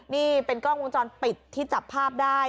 นี่เป็นกล้องวงจรปิดที่จับภาพได้